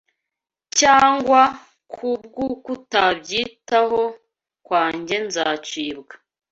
cyangwa kubw’ukutabyitaho kwanjye nzacibwa